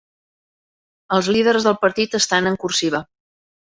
Els líders del partit estan en cursiva.